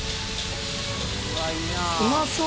うまそう！